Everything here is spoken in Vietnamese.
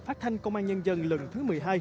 phát thanh công an nhân dân lần thứ một mươi hai